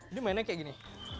ini mainnya kayak gini